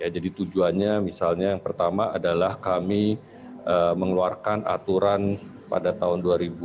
jadi tujuannya misalnya yang pertama adalah kami mengeluarkan aturan pada tahun dua ribu sembilan belas